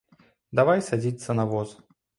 Давай садзіцца на воз.